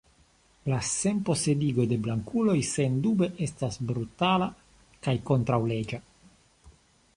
La senposedigo de blankuloj sendube estas brutala kaj kontraŭleĝa.